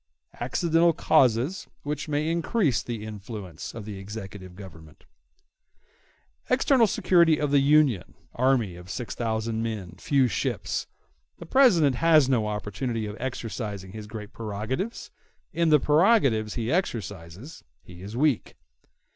]] Accidental Causes Which May Increase The Influence Of The Executive Government External security of the Union—Army of six thousand men—Few ships—The President has no opportunity of exercising his great prerogatives—In the prerogatives he exercises he is weak.